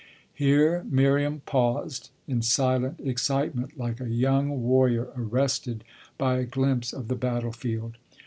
Here Miriam paused, in silent excitement, like a young warrior arrested by a glimpse of the battle field.